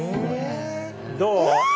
どう？